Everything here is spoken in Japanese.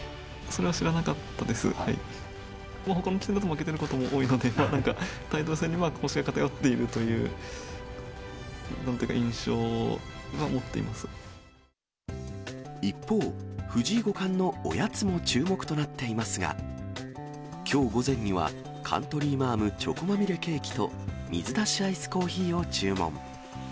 ほかの棋戦だと負けていることも多いので、なんか、タイトル戦にうまく星が偏っているという、なんというか、印象は一方、藤井五冠のおやつも注目となっていますが、きょう午前には、カントリーマアムチョコまみれケーキと、水出しアイスコーヒーを注文。